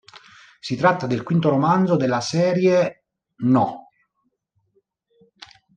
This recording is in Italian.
Si tratta del quinto romanzo della serie "No.